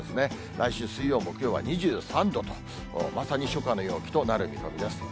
来週水曜、木曜は２３度と、まさに初夏の陽気となる見込みです。